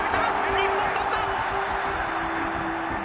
日本取った！